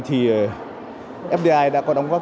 thì fdi đã có đóng góp